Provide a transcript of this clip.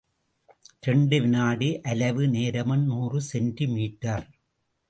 இரண்டு வினாடி அலைவு நேரமும் நூறு செமீ.